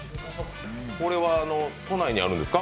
これは都内にあるんですか？